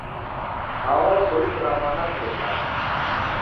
Mao waw'apoisira mwana vindo vake